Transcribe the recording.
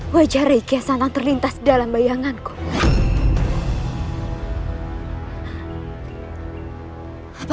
ya allah apa yang terjadi pada rai kian santang